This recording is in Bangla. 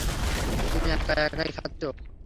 তুমি একা একাই খাচ্ছো।